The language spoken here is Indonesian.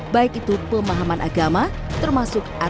baik itu pemahaman agama termasuk agama